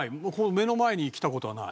目の前にきた事はない。